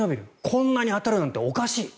こんなに当たるなんておかしい。